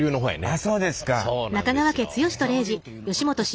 あそうですか。